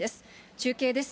中継です。